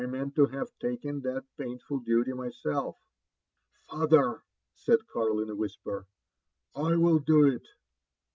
nieant to have taken that painful duty myself." *' Father! " said Karl in a whisper, "I will do it."